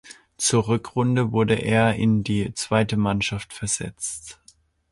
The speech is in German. Zur Rückrunde wurde er in die zweite Mannschaft versetzt.